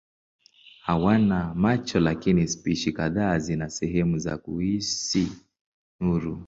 Hawana macho lakini spishi kadhaa zina sehemu za kuhisi nuru.